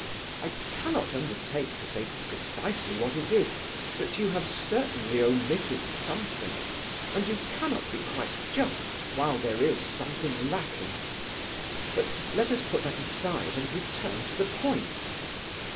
I cannot undertake to say precisely what it is, but you have certainly omitted something, and you cannot be quite just while there is something lacking. But let us put that aside and return to the point.